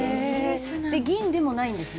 で銀でもないんですね？